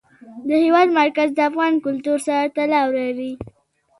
د هېواد مرکز د افغان کلتور سره تړاو لري.